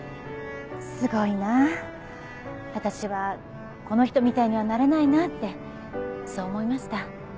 「すごいなぁ私はこの人みたいにはなれないな」ってそう思いました。